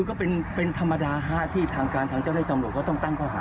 ก็เป็นธรรมดาฮะที่ทางการทางเจ้าในจังหลวงก็ต้องตั้งเข้าหา